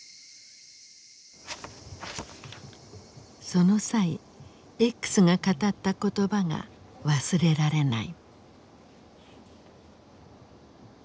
その際Ｘが語った言葉が忘れられない。